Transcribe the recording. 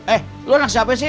eh lo anak siapa sih